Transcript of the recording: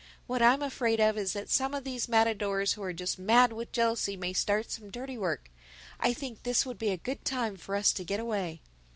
What I'm afraid of is that some of these matadors who are just mad with jealousy may start some dirty work. I think this would be a good time for us to get away."